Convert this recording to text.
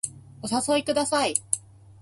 お誘いください